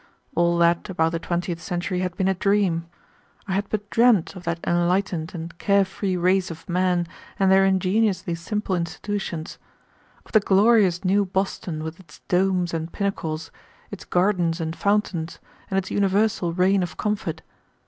All that about the twentieth century had been a dream. I had but dreamed of that enlightened and care free race of men and their ingeniously simple institutions, of the glorious new Boston with its domes and pinnacles, its gardens and fountains, and its universal reign of comfort.